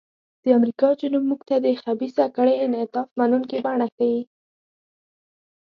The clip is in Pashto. د امریکا جنوب موږ ته د خبیثه کړۍ انعطاف منونکې بڼه ښيي.